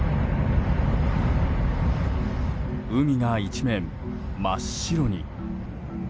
海が一面、真っ白に。